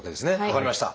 分かりました。